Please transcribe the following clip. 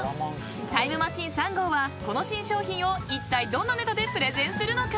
［タイムマシーン３号はこの新商品をいったいどんなネタでプレゼンするのか］